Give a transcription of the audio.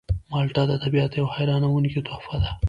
مالټه د طبیعت یوه حیرانوونکې تحفه ده.